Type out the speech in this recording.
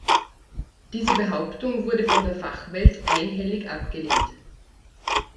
Diese Behauptung wurde von der Fachwelt einhellig abgelehnt.